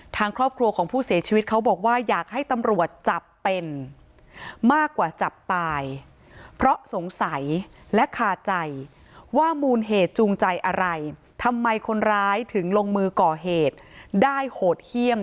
ทางครอบครัวของผู้เสียชีวิตเขาบอกว่าอยากให้ตำรวจจับเป็นมากกว่าจับตายเพราะสงสัยและคาใจว่ามูลเหตุจูงใจอะไรทำไมคนร้ายถึงลงมือก่อเหตุได้โหดเยี่ยม